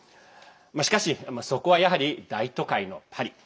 しかし、そこはやはり大都会のパリ。